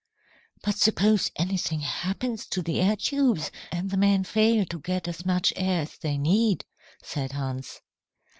"But suppose anything happens to the air tubes and the men fail to get as much air as they need?" said Hans.